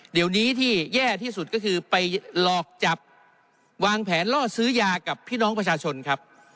เดี๋ยวนี้ที่แย่ที่สุดก็คือไปหลอกจับวางแผนล่อซื้อยากับพี่น้องประชาชนครับ